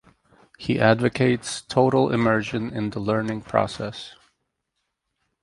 He advocates total immersion in the learning process.